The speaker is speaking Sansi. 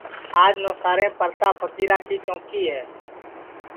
آج نوساریم پرتاپ پھکیرا کی چونٚکی ہے